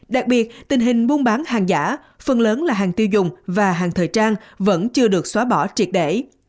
đặc biệt tình hình buôn bán hàng giả phần lớn là hàng tiêu dùng và hàng thời trang vẫn chưa được xóa bỏ triệt để